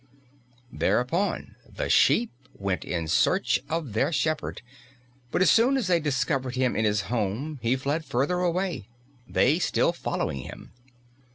Thereupon the sheep went in search of their shepherd, but as soon as they discovered him in his home he fled farther away, they still following him.